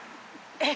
えっ！？